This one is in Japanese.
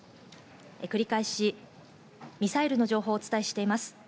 繰り返しミサイルの情報をお伝えしています。